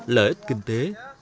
lợi ích kinh tế